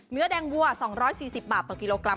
เนื้อแดงวัว๒๔๐บาทต่อกิโลกรัม